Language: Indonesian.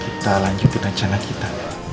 kita lanjutin rencana kita